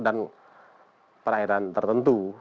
dan perairan tertentu